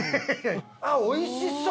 あっおいしそう！